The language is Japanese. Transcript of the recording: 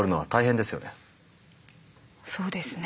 そうですね。